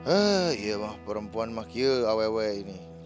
eh iya ma perempuan makyar awewe ini